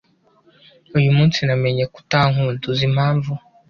Uyu munsi namenye ko atankunda. Uzi impamvu?